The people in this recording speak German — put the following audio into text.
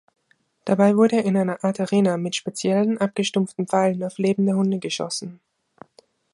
Dabei wurde in einer Art Arena mit speziellen abgestumpften Pfeilen auf lebende Hunde geschossen.